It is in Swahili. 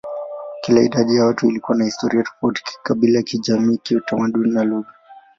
Kila idadi ya watu ilikuwa na historia tofauti kikabila, kijamii, kitamaduni, na lugha.